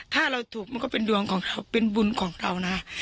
ถ้าเราถูกมันก็เป็นดวงของเราเป็นบุญของเรานะ